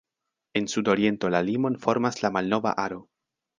En sudoriento la limon formas la Malnova Aro.